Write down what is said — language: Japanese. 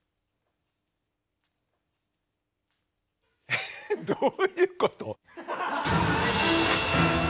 えっどういうこと？